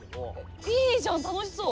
いいじゃん楽しそう！